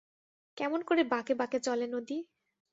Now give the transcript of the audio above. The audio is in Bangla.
কেমন করে বাঁকে বাঁকে চলে নদী?